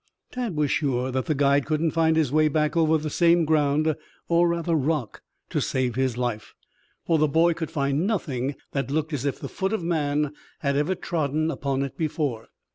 Tad was sure that the guide couldn't find his way back over the same ground, or rather rock, to save his life, for the boy could find nothing that looked as if the foot of man had ever trodden upon it before.